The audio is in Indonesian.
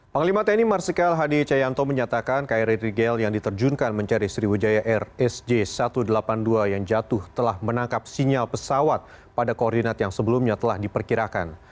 panglima tni marsikal hadi cayanto menyatakan kri rigel yang diterjunkan mencari sriwijaya air sj satu ratus delapan puluh dua yang jatuh telah menangkap sinyal pesawat pada koordinat yang sebelumnya telah diperkirakan